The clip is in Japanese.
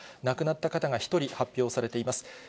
亡くなった方が１人発表されています。